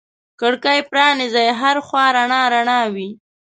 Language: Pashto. کړکۍ پرانیزې هر خوا رڼا رڼا وي